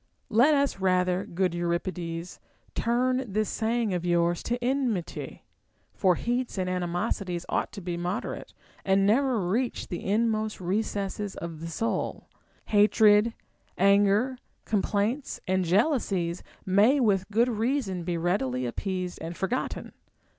Let us rather, good Eurip ides, turn this saying of yours to enmity ; for heats and ani mosities ought to be moderate, and never reach the inmost recesses of the soul ; hatred, anger, complaints, and jealousies may with good reason be readily appeased and forgotten.